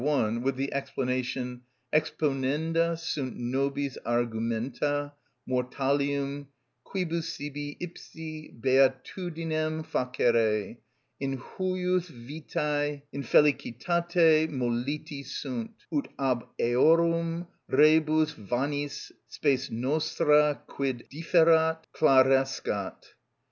1) with the explanation: "Exponenda sunt nobis argumenta mortalium, quibus sibi ipsi beatitudinem facere IN HUJUS VITÆ INFELICITATE _moliti sunt; ut ab eorum rebus vanis spes nostra quid differat clarescat.